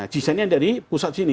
cisanya dari pusat sini